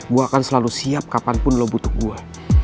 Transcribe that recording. gue akan selalu siap kapanpun lo butuh gua